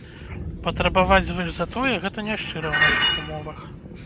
Патрабаваць звыш за тое, гэта няшчыра ў нашых умовах.